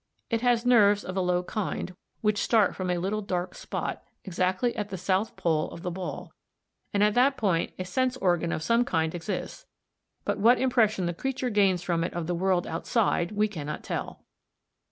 It has nerves of a low kind which start from a little dark spot (ng), exactly at the south pole of the ball, and at that point a sense organ of some kind exists, but what impression the creature gains from it of the world outside we cannot tell.